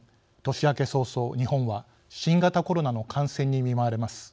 年明け早々日本は新型コロナの感染に見舞われます。